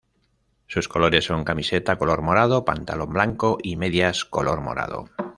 Sus colores son: camiseta color morado, pantalón blanco y medias color morado.